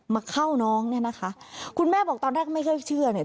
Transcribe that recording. มาเข้าน้องเนี่ยนะคะคุณแม่บอกตอนแรกก็ไม่ค่อยเชื่อเนี่ย